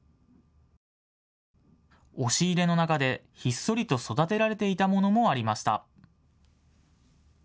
押し入れの中でひっそりと育てられていたものもありました。